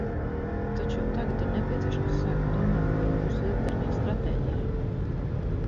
Taču jau tagad ir nepieciešams sākt domāt par mūsu ilgtermiņa stratēģijām.